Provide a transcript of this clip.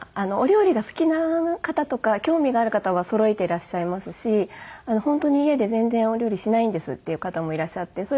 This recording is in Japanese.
お料理が好きな方とか興味がある方は揃えていらっしゃいますし本当に家で全然お料理しないんですっていう方もいらっしゃって。